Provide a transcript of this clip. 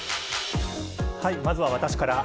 まずは私から。